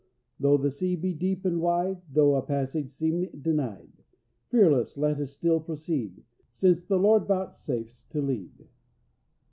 Though the sea be deep and wide, Though a passage seem denied; Fearless, let us still proceed, Since the Lord vouchsafes to lead."